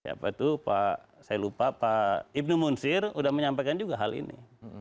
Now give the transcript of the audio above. apa itu pak saya lupa pak ibnu munsir sudah menyampaikan juga hal ini